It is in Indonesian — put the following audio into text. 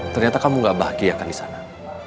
ternyata kamu tidak bahagiakan disana